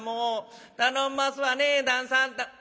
頼んますわねえ旦さん。